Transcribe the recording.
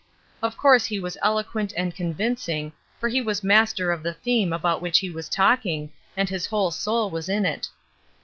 Of course he was eloquent and convincing, for he was master of the theme about which he was talking, and his whole soul was in it.